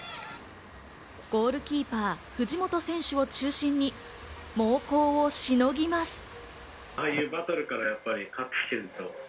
ゴールキーパー・藤本選手を中心に猛攻をしのぎます。